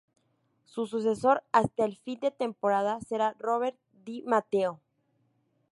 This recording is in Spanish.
Su sucesor hasta el fin de temporada será Roberto Di Matteo.